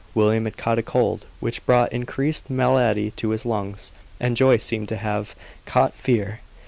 William had caught a cold, which brought increased malady to the lungs; and Joyce seemed to have caught fear.